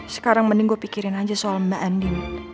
sekarang mending gue pikirin aja soal mbak ending